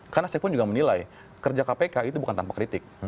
karena saya pun juga menilai kerja kpk itu bukan tanpa kritik